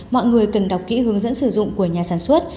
mọi người cần đọc kỹ hướng dẫn sử dụng của nhà sản xuất